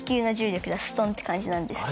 ストンって感じなんですけど。